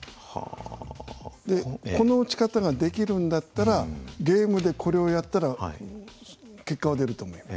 この打ち方ができるんだったらゲームでこれをやったら結果は出ると思います。